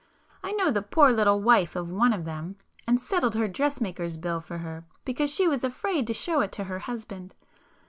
I know the poor little wife of one of them,—and settled her dressmaker's bill for her because she was afraid to show it to her husband.